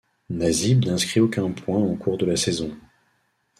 Nasib n'inscrit aucun point au cours de la saison.